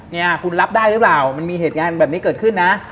เนี่ยคุณรับได้หรือเปล่ามันมีเหตุการณ์แบบนี้เกิดขึ้นนะ